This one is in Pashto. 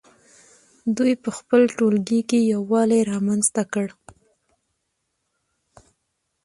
دوی په خپل ټولګي کې یووالی رامنځته کړ.